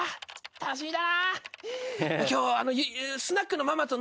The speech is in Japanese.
楽しみだ。